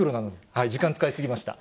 はい、時間使い過ぎました。